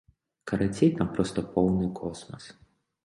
Карацей, там проста поўны космас.